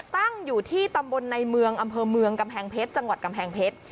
ตั้งอยู่ที่ตำบลในเมืองอำเภอเมืองกำแพงเพชรจังหวัดกำแพงเพชร